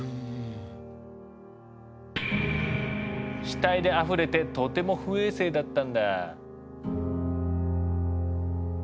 死体であふれてとても不衛生だったんだ。